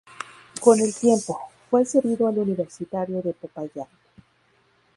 Con el tiempo, fue cedido al Universitario de Popayán.